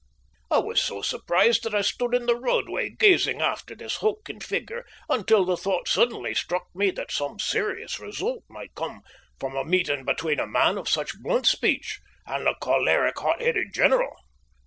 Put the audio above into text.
I was so surprised that I stood in the roadway gazing after this hulking figure until the thought suddenly struck me that some serious result might come from a meeting between a man of such blunt speech and the choleric, hot headed general.